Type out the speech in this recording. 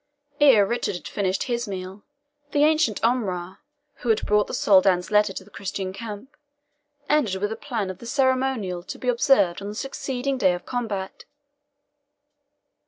Ere Richard had finished his meal, the ancient Omrah, who had brought the Soldan's letter to the Christian camp, entered with a plan of the ceremonial to be observed on the succeeding day of combat.